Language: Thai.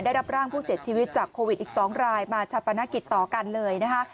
ได้รับร่างผู้เสียชีวิตจากโควิดอีก๒รายมาชาปนกิจต่อกันเลยนะคะ